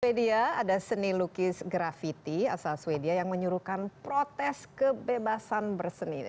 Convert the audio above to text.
di sweden ada seni lukis graffiti asal sweden yang menyuruhkan protes kebebasan berseninya